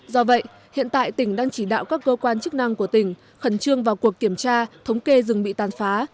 do vậy hiện tại tỉnh đang chỉ đạo các cơ quan chức năng của tỉnh khẩn trương vào cuộc kiểm tra thống kê rừng bị tàn phá